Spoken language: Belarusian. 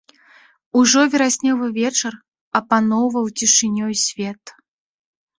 Ужо вераснёвы вечар апаноўваў цішынёй свет.